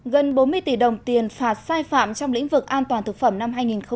gần bốn mươi tỷ đồng tiền phạt sai phạm trong lĩnh vực an toàn thực phẩm năm hai nghìn một mươi chín